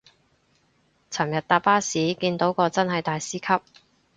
尋日搭巴士見到個真係大師級